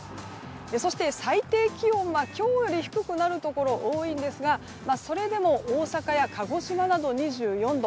そして、最低気温は今日より低くなるところが多いんですがそれでも大阪や鹿児島などは２４度。